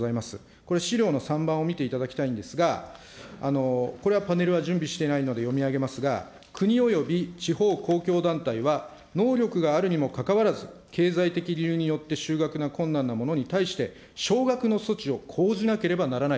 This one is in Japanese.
これ、資料の３番を見ていただきたいんですが、これはパネルは準備してないので読み上げますが、国および地方公共団体は、能力があるにもかかわらず、経済的理由によって就学が困難な者に対して、奨学の措置を講じなければならない。